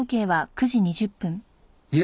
いえ。